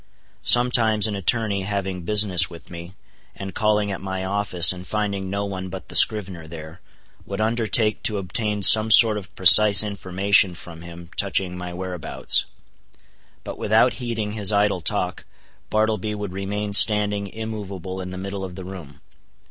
Sometimes an attorney having business with me, and calling at my office and finding no one but the scrivener there, would undertake to obtain some sort of precise information from him touching my whereabouts; but without heeding his idle talk, Bartleby would remain standing immovable in the middle of the room.